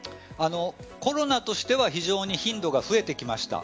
コロナとしては非常に頻度が増えてきました。